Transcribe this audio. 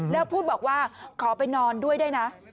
แล้วพูดบอกว่าขอไปนอนด้วยได้นะ